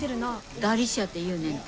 ダリシアっていうねんて。